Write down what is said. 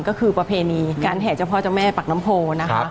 ก็คือประเพณีการแห่เจ้าพ่อเจ้าแม่ปากน้ำโพนะคะ